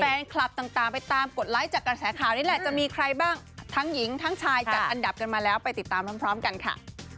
ต่างไปตามกดไลค์จากกระแสข่าวนี้แหละจะมีใครบ้างทั้งหญิงทั้งชายจัดอันดับกันมาแล้วไปติดตามพร้อมกันค่ะ